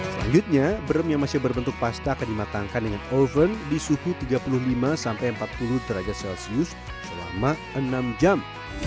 selanjutnya brem yang masih berbentuk pasta akan dimatangkan dengan oven di suhu tiga puluh lima empat puluh derajat celcius selama enam jam